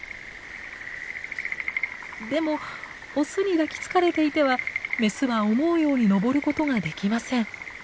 でもオスに抱きつかれていてはメスは思うように登ることができません。